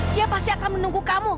dia pasti akan menunggu kamu